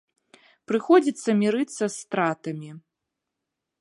Прыходзіцца мірыцца з стратамі.